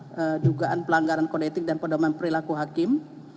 laporan jugaan pelanggaran kodetik dan pendaman perilaku hakim